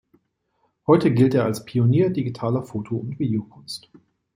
Heute gilt er als Pionier digitaler Foto- und Videokunst.